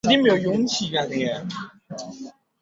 平江县是越南海阳省下辖的一个县。